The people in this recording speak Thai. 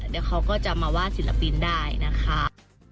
เดี๋ยวเขาก็จะมาว่าศิลปินได้นะคะ